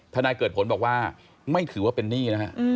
นายเกิดผลบอกว่าไม่ถือว่าเป็นหนี้นะฮะ